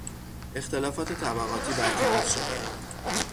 اختلافات طبقاتی برطرف شدند.